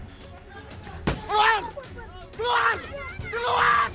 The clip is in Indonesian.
keluang keluang keluang